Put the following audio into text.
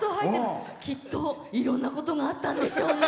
きっと、いろんなことがあったんでしょうね。